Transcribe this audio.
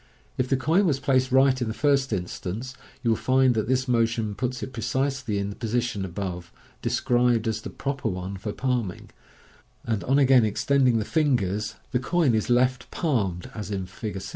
If the coin was placed right in the first instance, you Fig. 61. Fig. 62. will find that this motion pats it precisely in the position above described as the proper one for palming ; and on again extending the fingers, the coin is left palmed, as in Fig.